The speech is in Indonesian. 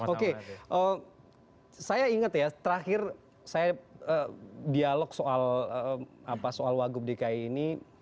oke saya ingat ya terakhir saya dialog soal wagub dki ini